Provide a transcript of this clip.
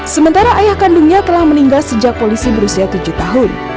sementara ayah kandungnya telah meninggal sejak polisi berusia tujuh tahun